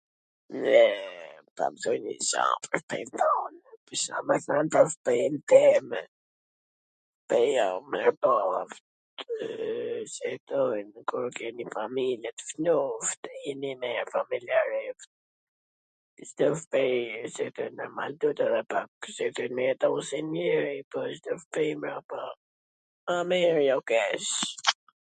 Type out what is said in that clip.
Kur keni familje, wsht luuft, jini familjar ... a mir, jo keq... [???]